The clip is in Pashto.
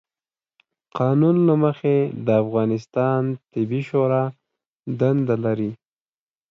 قانون له مخې، د افغانستان طبي شورا دنده لري،